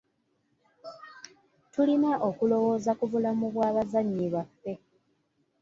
Tulina okulowooza ku bulamu bw'abazannyi baffe.